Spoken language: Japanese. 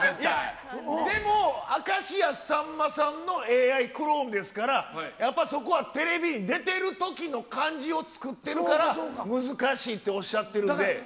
でも、明石家さんまさんのＡＩクローンですから、やっぱり、そこはテレビに出てるときの感じを作ってるから、難しいっておっしゃってるんで。